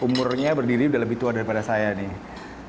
umurnya berdiri udah lebih tua daripada saya nih